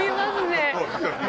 本当に。